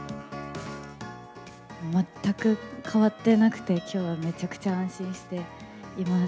全く変わってなくて、きょうはめちゃくちゃ安心しています。